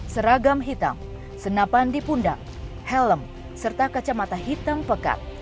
seragam hitam senapan di pundak helm serta kacamata hitam pekat